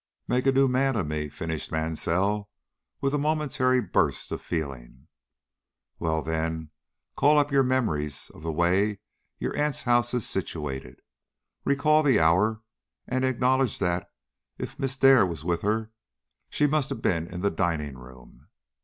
"Make a new man of me," finished Mansell, with a momentary burst of feeling. "Well, then, call up your memories of the way your aunt's house is situated. Recall the hour, and acknowledge that, if Miss Dare was with her, she must have been in the dining room."